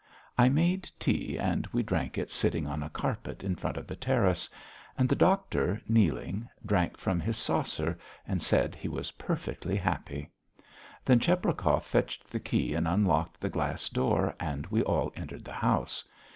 I made tea, and we drank it sitting on a carpet in front of the terrace, and the doctor, kneeling, drank from his saucer, and said that he was perfectly happy. Then Cheprakov fetched the key and unlocked the glass door and we all entered the house.